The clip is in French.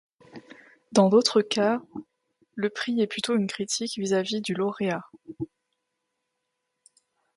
Dans d'autres cas, le prix est plutôt une critique vis-à-vis du lauréat.